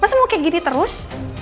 masa mau kayak gini terus